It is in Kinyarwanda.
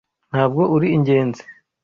Ntabwo uri ingenzi